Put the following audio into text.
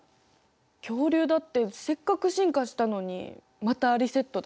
恐竜だってせっかく進化したのにまたリセットだ。